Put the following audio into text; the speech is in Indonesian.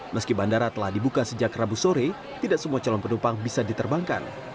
meski bandara telah dibuka sejak rabu sore tidak semua calon penumpang bisa diterbangkan